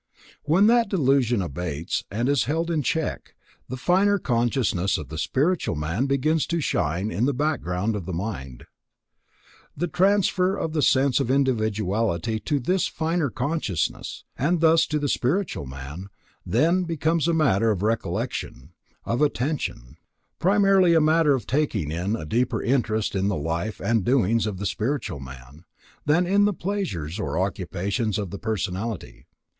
When that delusion abates and is held in check, the finer consciousness of the spiritual man begins to shine in the background of the mind. The transfer of the sense of individuality to this finer consciousness, and thus to the spiritual man, then becomes a matter of recollection, of attention; primarily, a matter of taking a deeper interest in the life and doings of the spiritual man, than in the pleasures or occupations of the personality.